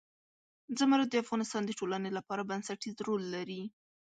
زمرد د افغانستان د ټولنې لپاره بنسټيز رول لري.